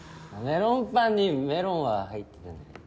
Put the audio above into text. メロンパンにメロンは入ってない。